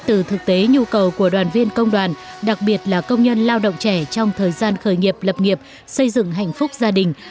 từ thực tế nhu cầu của đoàn viên công đoàn đặc biệt là công nhân lao động trẻ trong thời gian khởi nghiệp lập nghiệp xây dựng hạnh phúc gia đình